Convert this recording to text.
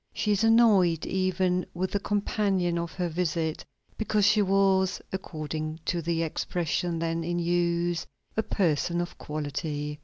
She is annoyed even with the companion of her visit, because she was, according to the expression then in use, a person of quality.